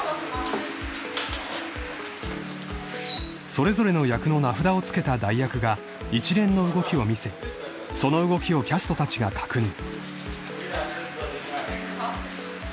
［それぞれの役の名札をつけた代役が一連の動きを見せその動きをキャストたちが確認］